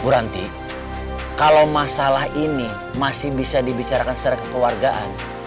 bu ranti kalau masalah ini masih bisa dibicarakan secara kekeluargaan